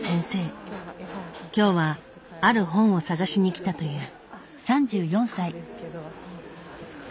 今日はある本を探しにきたという。